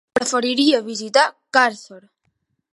Preferiria visitar Càrcer.